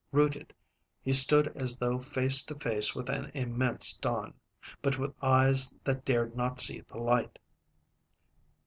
Rooted, he stood as though face to face with an immense dawn, but with eyes that dared not see the light.